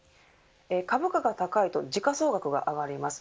株価が高いと時価総額が上がります。